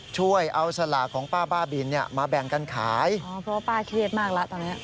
ช่วยเอาสลากของป้าบ้าบินเนี่ยมาแบ่งกันขายอ๋อเพราะว่าป้าเครียดมากแล้วตอนเนี้ย